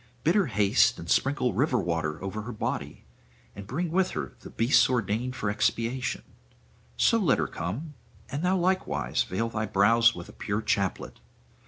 Bid her haste and sprinkle river water over her body, and bring [636 667]with her the beasts ordained for expiation: so let her come: and thou likewise veil thy brows with a pure chaplet.